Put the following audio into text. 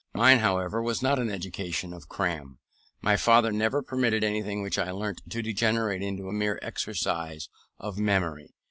Mine, however, was not an education of cram. My father never permitted anything which I learnt to degenerate into a mere exercise of memory.